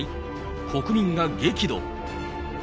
国民が激怒。